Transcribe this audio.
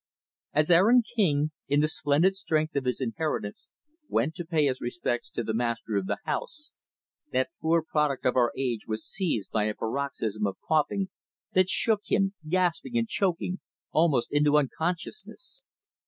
As Aaron King, in the splendid strength of his inheritance, went to pay his respects to the master of the house, that poor product of our age was seized by a paroxysm of coughing, that shook him gasping and choking almost into unconsciousness.